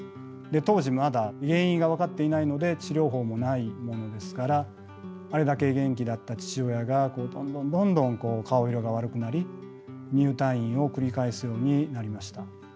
当時まだ原因が分かっていないので治療法もないものですからあれだけ元気だった父親がどんどんどんどん顔色が悪くなり入退院を繰り返すようになりました。